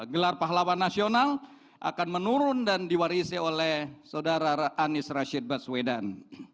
gelar pahlawan nasional akan menurun dan diwarisi oleh saudara anies rashid baswedan